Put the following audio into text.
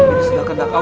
ini sudah kenang allah